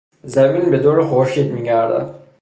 زمین به دور خورشید میگردد.